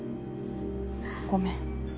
ごめん。